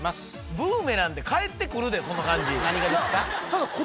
ブーメランで返ってくるでその感じ何がですか？